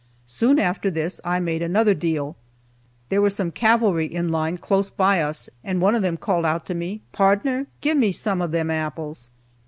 Soon after this I made another deal. There were some cavalry in line close by us, and one of them called out to me, "Pardner, give me some of them apples."